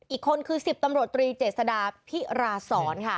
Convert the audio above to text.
อีกคนคือ๑๐ตำรวจตรีเจษดาพิราศรค่ะ